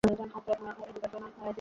মানব সৃষ্ট কারণেই পরিবেশ বেশি দূষিত হয়।